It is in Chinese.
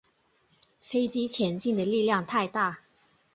飞机前进的力量太大